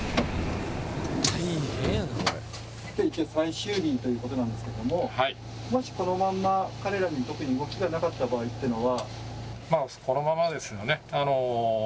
今日一応最終日ということなんですけどももしこのまんま彼らに特に動きがなかった場合っていうのは？